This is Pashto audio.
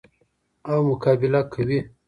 او مقابله کوي.